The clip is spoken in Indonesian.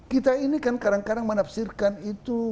kita ini kan kadang kadang menafsirkan itu